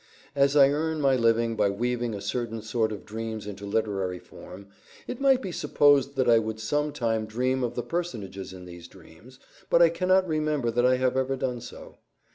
As I earn my living by weaving a certain sort of dreams into literary form, it might be supposed that I would some time dream of the personages in these dreams, but I cannot remember that I have ever done so.